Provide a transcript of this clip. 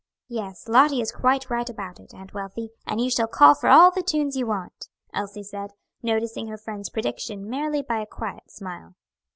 "Yes, Lottie is quite right about it, Aunt Wealthy, and you shall call for all the tunes you want," Elsie said, noticing her friend's prediction merely by a quiet smile.